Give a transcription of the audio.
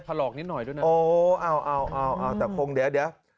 แต่คงเดี๋ยว